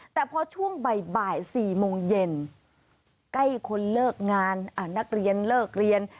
แต่พอช่วงบ่าย๔โมงเย็นใกล้คนเลิกงานนักเรียนเลิกเรียน